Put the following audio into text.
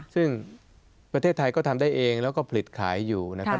ซึ่งประเทศไทยก็ทำได้เองแล้วก็ผลิตขายอยู่นะครับ